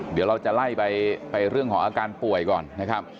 เดี๋ยวเราจะไล่ไปเรื่องของอาการป่วยก่อนนะครับ